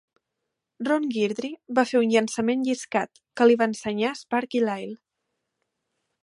Ron Guidry va fer un llançament lliscat, que li va ensenyar Sparky Lyle.